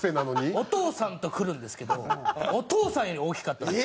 お父さんと来るんですけどお父さんより大きかったです。